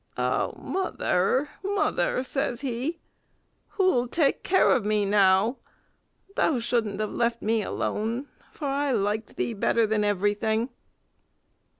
"Oh, mother, mother!" says he, "who'll take care of me now? Thou shouldn't have left me alone, for I liked thee better than everything!"